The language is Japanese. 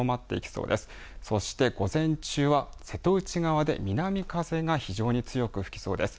そして、午前中は瀬戸内側で南風が非常に強く吹きそうです。